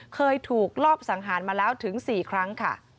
เคยถูกลอบสังหารมาแล้วถึง๔ครั้งค่ะ